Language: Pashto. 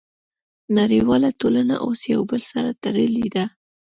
نړیواله ټولنه اوس یو بل سره تړلې ده